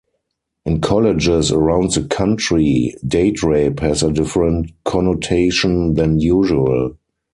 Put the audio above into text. In colleges around the country date rape has a different connotation than usual.